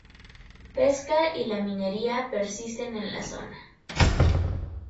Pesca y la minería persisten en la zona.